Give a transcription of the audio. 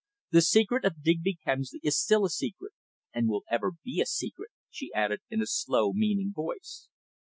The secret of Digby Kemsley is still a secret and will ever be a secret," she added in a slow, meaning voice.